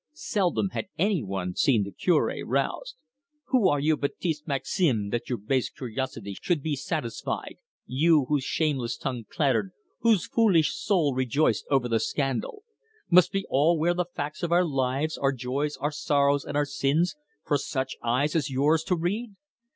Seldom had any one seen the Cure roused. "Who are you, Ba'tiste Maxime, that your base curiosity should be satisfied you, whose shameless tongue clattered, whose foolish soul rejoiced over the scandal? Must we all wear the facts of our lives our joys, our sorrows, and our sins for such eyes as yours to read?